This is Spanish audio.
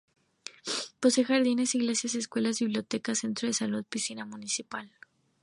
Posee jardines, iglesia, escuela, biblioteca, centro de salud y piscina municipal.